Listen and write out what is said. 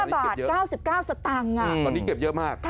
๕บาท๙๙สตางค์ตอนนี้เก็บเยอะมาก